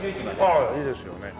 ああいいですよね。